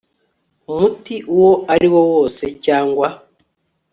umuti uwo ari wo wose cyangwa